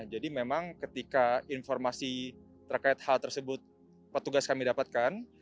jadi memang ketika informasi terkait hal tersebut petugas kami dapatkan